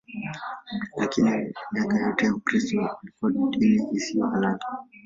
Lakini miaka yote Ukristo ulikuwa dini isiyo halali.